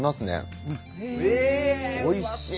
おいしい！